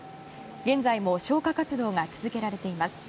現在も消火活動が続けられています。